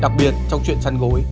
đặc biệt trong chuyện chăn gối